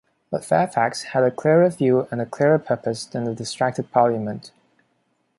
But Fairfax had a clearer view and a clearer purpose than the distracted Parliament.